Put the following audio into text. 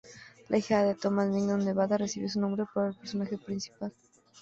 La ahijada de Thomas Mignon Nevada recibió su nombre por el personaje principal.